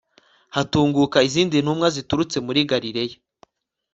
hatunguka izindi ntumwa ziturutse muri galileya